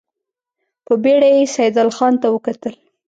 په بېړه يې سيدال خان ته وکتل.